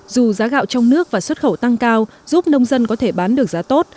dù giá gạo trong nước và xuất khẩu tăng cao giúp nông dân có thể bán được giá tốt